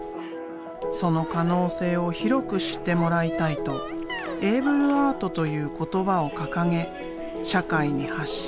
その可能性を広く知ってもらいたいとエイブル・アートという言葉を掲げ社会に発信してきた。